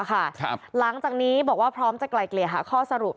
หลังจากนี้บอกว่าพร้อมจะไกลเกลี่ยหาข้อสรุป